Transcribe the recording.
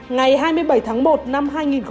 ngày hai mươi bảy tháng một năm hai nghìn một mươi hai